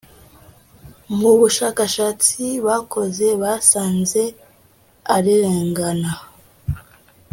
mubushakashatsi bakoze basanze arengana